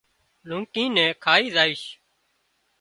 لونڪي نين کائي زائيش